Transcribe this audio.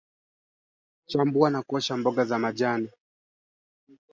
Udhibiti wa vijidudu vya magonjwa hupunguza kiwango cha maambukizi ya ukurutu kwa ngombe